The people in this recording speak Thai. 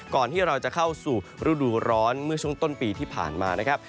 ก่อนที่เราจะเข้าสู่ฤดูร้อนเมื่อช่วงต้นปีที่ผ่านมานะครับ